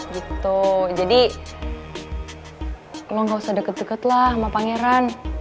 gitu jadi kalau nggak usah deket deket lah sama pangeran